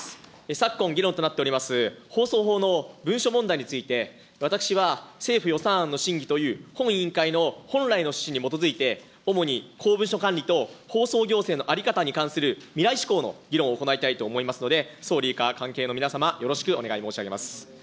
昨今議論となっております、放送法の文書問題について、私は政府予算案の審議という、本委員会の本来の趣旨に基づいて、主に公文書管理と、放送行政の在り方に関する未来志向の議論を行いたいと思いますので、総理以下、関係の皆様、よろしくお願い申し上げます。